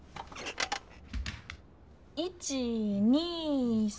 １２３。